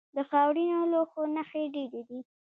د خاورینو لوښو نښې ډیرې دي